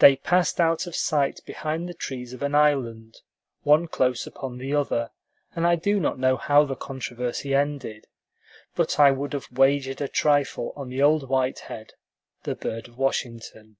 They passed out of sight behind the trees of an island, one close upon the other, and I do not know how the controversy ended; but I would have wagered a trifle on the old white head, the bird of Washington.